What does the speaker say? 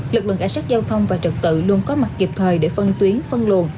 lực lượng ảnh sát giao thông và trực tự luôn có mặt kịp thời để phân tuyến phân luồn